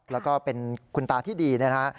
แล้วก็เป็นคุณตาที่ดีนะฮะ